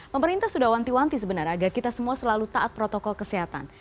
pemerintah sudah wanti wanti sebenarnya agar kita semua selalu taat protokol kesehatan